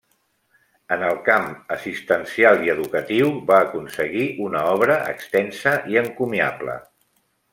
En el camp assistencial i educatiu va aconseguir una obra extensa i encomiable.